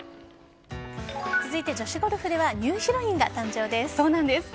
続いて女子ゴルフではニューヒロインが誕生ですね。